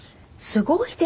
すごいですね。